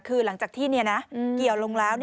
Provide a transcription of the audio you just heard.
คือหลังจากที่เกี่ยวลงแล้ว